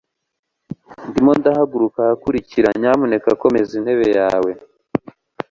Ndimo ndahaguruka ahakurikira, nyamuneka komeza intebe yawe.